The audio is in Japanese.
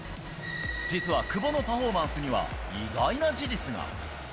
実は久保のパフォーマンスには、意外な事実が。